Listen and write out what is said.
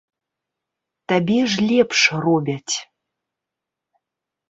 Табе ж лепш робяць.